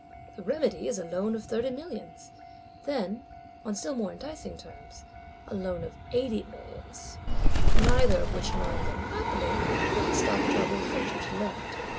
The remedy is a Loan of thirty millions; then, on still more enticing terms, a Loan of eighty millions: neither of which Loans, unhappily, will the Stockjobbers venture to lend.